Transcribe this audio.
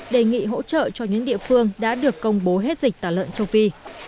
đề nghị hỗ trợ cho những địa phương đã được công bố hết dịch tả lợn châu phi